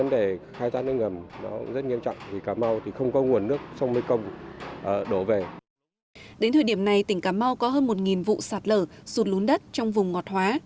đến thời điểm này tỉnh cà mau có hơn một vụ sạt lở sụt lún đất trong vùng ngọt hóa